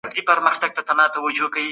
سورغر د زابل ښکلی غر دئ.